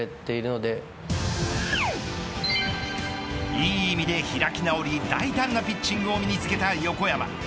いい意味で開き直り大胆なピッチングを身につけた横山。